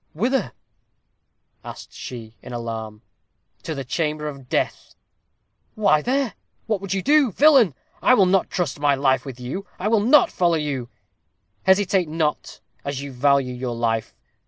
"Whither?" asked she, in alarm. "To the chamber of death!" "Why there? what would you do? Villain! I will not trust my life with you. I will not follow you." "Hesitate not, as you value your life.